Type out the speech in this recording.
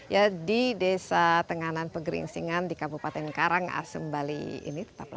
ya di desa tenganan pegering singan di kabupaten karang arseng bali ini tetap berhasil